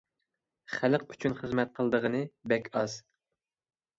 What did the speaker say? خەلق ئۈچۈن خىزمەت قىلىدىغىنى بەك ئاز.